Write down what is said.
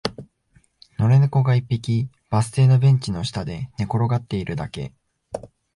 野良猫が一匹、バス停のベンチの下で寝転がっているだけ